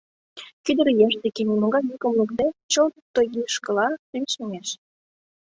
Кӱдыр еш деке, нимогай йӱкым лукде, чылт тойгишкыла лишемеш.